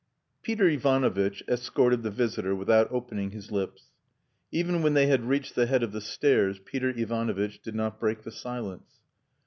Peter Ivanovitch escorted the visitor without opening his lips. Even when they had reached the head of the stairs Peter Ivanovitch did not break the silence.